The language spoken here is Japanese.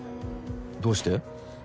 どうして？